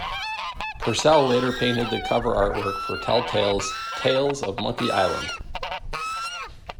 Purcell later painted the cover artwork for Telltale's "Tales of Monkey Island".